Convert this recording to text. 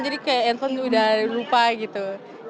jadi kayak handphone udah lupa gitu